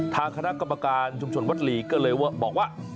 ทางคณะกรรมการชุมชนวัดหลีก็เลยบอกว่า